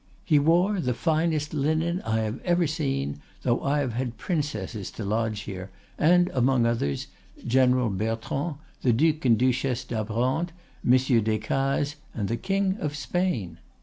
He wore the finest linen I have ever seen, though I have had princesses to lodge here, and, among others, General Bertrand, the Duc and Duchesse d'Abrantes, Monsieur Descazes, and the King of Spain.